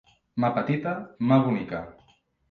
Mà petita, mà bonica.